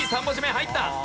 ３文字目入った。